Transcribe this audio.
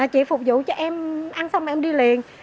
chị phục vụ cho em ăn xong em đi liền